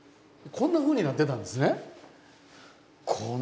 こんなふうになってたんですよ。